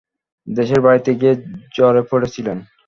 দেশের বাড়িতে গিয়ে জ্বরে পড়েছিলেন।